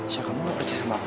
sya kamu gak percaya sama aku